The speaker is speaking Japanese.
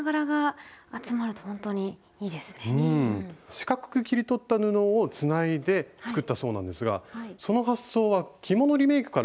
四角く切り取った布をつないで作ったそうなんですがその発想は着物リメイクからきているんですか？